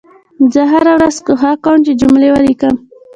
زه هره ورځ کوښښ کوم چې جملې ولیکم